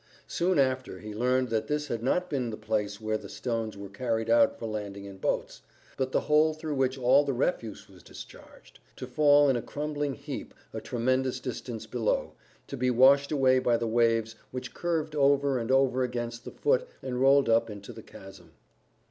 Soon after he learned that this had not been the place where the stones were carried out for landing in boats, but the hole through which all the refuse was discharged, to fall in a crumbling heap a tremendous distance below, to be washed away by the waves which curved over and over against the foot and rolled up into the chasm.